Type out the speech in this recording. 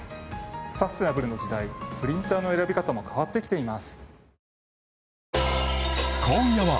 サステナブルの時代プリンターの選び方も変わってきています。